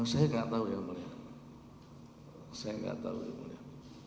saya gak tau ya mulia saya gak tau ya mulia